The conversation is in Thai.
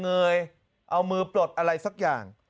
เยยเอามือปลดอะไรสักอย่าง